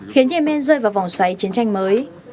khiến yemen rơi vào vòng xoay chiến tranh mới